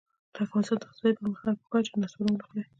د افغانستان د اقتصادي پرمختګ لپاره پکار ده چې نصوار ونه خورئ.